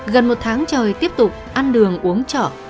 gần một tháng trời tiếp tục ăn đường uống trọ